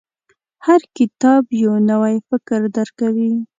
• هر کتاب، یو نوی فکر درکوي.